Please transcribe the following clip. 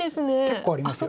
結構ありますよね。